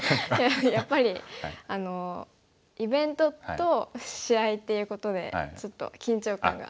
いややっぱりイベントと試合っていうことでちょっと緊張感が。